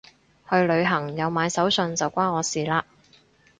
去旅行有買手信就關我事嘞